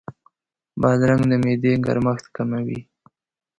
بادرنګ د معدې ګرمښت کموي.